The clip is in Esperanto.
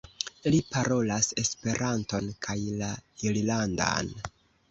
Li parolas Esperanton kaj la irlandan.